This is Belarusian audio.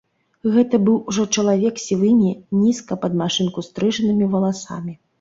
Гэта быў ужо чалавек з сівымі, нізка, пад машынку стрыжанымі валасамі.